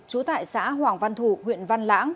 chú tại xã hoàng văn thủ huyện văn lãng